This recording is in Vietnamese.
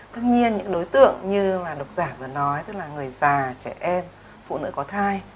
tất nhiên những đối tượng như là độc giả vừa nói tức là người già trẻ em phụ nữ có thai